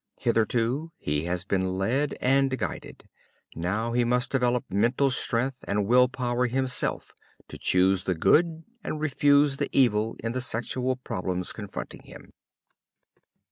Hitherto he has been led and guided. Now he must develop mental strength and will power himself to choose the good and refuse the evil in the sexual problems confronting him.